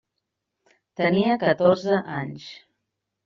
Tenia catorze anys.